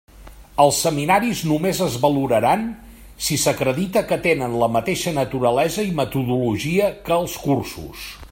Els seminaris només es valoraran si s'acredita que tenen la mateixa naturalesa i metodologia que els cursos.